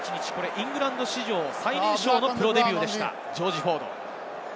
イングランド史上最年少のプロデビューでした、ジョージ・フォード。